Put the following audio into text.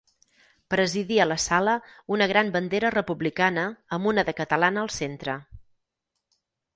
Presidia la sala una gran bandera republicana amb una de catalana al centre.